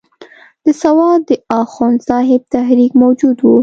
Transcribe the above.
د سوات د اخوند صاحب تحریک موجود وو.